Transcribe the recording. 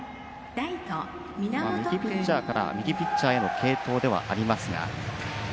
右ピッチャーから右ピッチャーへの継投ではありますが。